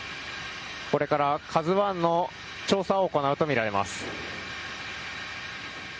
これから「ＫＡＺＵ１」の調査を行うとみられます。